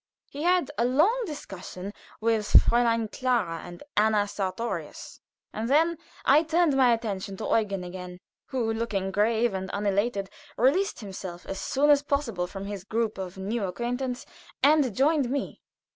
He had a long discussion with Fräulein Clara and Anna Sartorius. And then I turned my attention to Eugen again, who, looking grave and unelated, released himself as soon as possible from his group of new acquaintance and joined me.